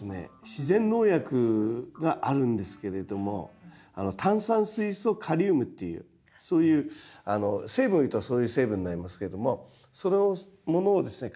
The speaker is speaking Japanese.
自然農薬があるんですけれども炭酸水素カリウムっていうそういうあの成分をいうとそういう成分になりますけれどもそれをものをですね